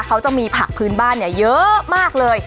เขาจะมีผักพื้นบ้านเยอะมากเลย